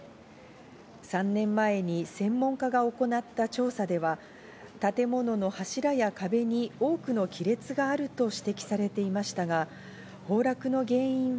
３年前に専門家が行った調査では、建物の柱や壁に多くの亀裂があると指摘されていましたが、崩落の原因は